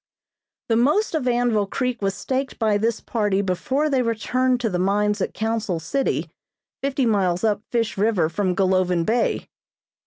The most of Anvil Creek was staked by this party before they returned to the mines at Council City, fifty miles up Fish River from Golovin Bay.